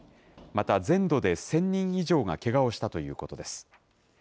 また、全土で１０００人以上がけがをしたということです。